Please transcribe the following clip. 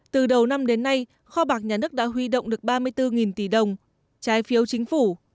từ đầu năm đến nay kho bạc nhà nước đã huy động được ba mươi bốn tỷ đồng trái phiếu chính phủ